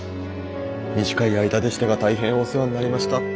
短い間でしたが大変お世話になりました。